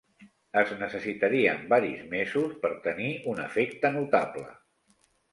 Es necessitarien varis mesos per tenir un efecte notable.